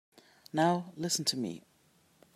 Now listen to me.